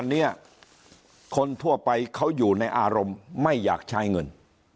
อันนี้คนทั่วไปเขาอยู่ในอารมณ์ไม่อยากใช้เงิน